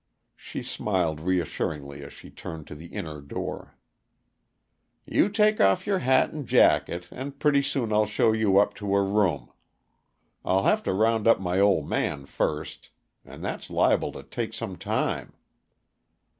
She smiled reassuringly as she turned to the inner door. "You take off your hat and jacket, and pretty soon I'll show you up to a room. I'll have to round up my old man first and that's liable to take time."